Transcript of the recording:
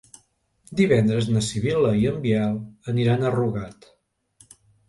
Divendres na Sibil·la i en Biel aniran a Rugat.